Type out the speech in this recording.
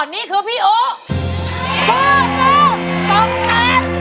นี่คือพี่โอะ